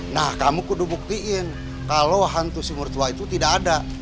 nah kamu kudu buktiin kalau hantu sumur tua itu tidak ada